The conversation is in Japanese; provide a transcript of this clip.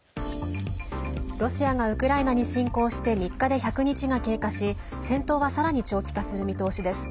ロシアがウクライナに侵攻して３日で１００日が経過し戦闘はさらに長期化する見通しです。